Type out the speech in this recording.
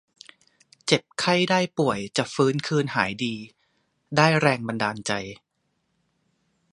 เจ็บไข้ได้ป่วยจะฟื้นคืนหายดี ได้แรงบันดาลใจ